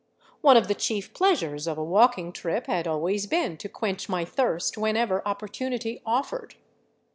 One of the chief pleasures of a walking trip had always been to quench my thirst whenever opportunity offered.